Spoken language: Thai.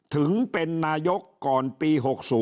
ถึงเป็นนายกก่อนปี๖๐